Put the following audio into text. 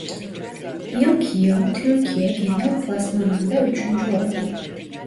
İlk yıl Türkiye genel klasmanında üçüncü oldu.